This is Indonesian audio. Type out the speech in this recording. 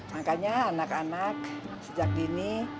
makanya anak anak sejak dini